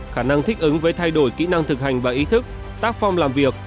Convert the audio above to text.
khả năng thích ứng với thay đổi kỹ năng thực hành và ý thức tác phong làm việc